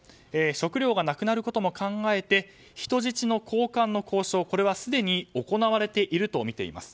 食料がなくなることも考えて人質の交換の交渉はすでに行われているとみています。